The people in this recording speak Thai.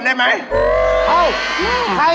ได้ไหม